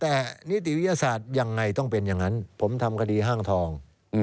แต่นิติวิทยาศาสตร์ยังไงต้องเป็นอย่างนั้นผมทำคดีห้างทอง